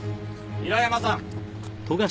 平山さん！